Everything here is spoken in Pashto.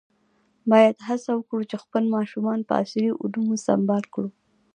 باید هڅه وکړو چې خپل ماشومان په عصري علومو سمبال کړو.